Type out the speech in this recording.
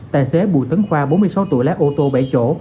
tài xế bùi tấn khoa bốn mươi sáu tuổi lái ô tô bảy chỗ